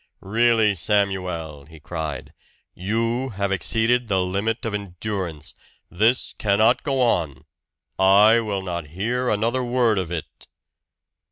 "Really, Samuel!" he cried. "You have exceeded the limit of endurance. This cannot go on! I will not hear another word of it!"